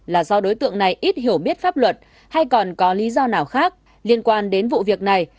là do đối tượng này ít hiểu biết pháp luật hay còn có lý do nào khác liên quan đến vụ việc này